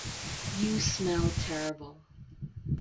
You smell terrible.